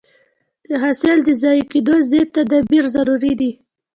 د حاصل د ضایع کېدو ضد تدابیر ضروري دي.